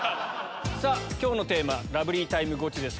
さぁ今日のテーマ「ラブリータイムゴチ！」です。